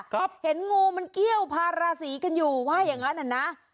ครับเห็นงูมันเกี้ยวภาระสีกันอยู่ว่าอย่างนั้นน่ะ